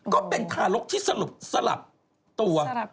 ก็เป็นทารกที่สลับตัว